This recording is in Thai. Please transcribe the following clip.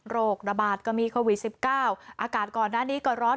โรคระบาดก็มีโควิด๑๙อากาศก่อนหน้านี้ก็ร้อน